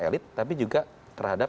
elit tapi juga terhadap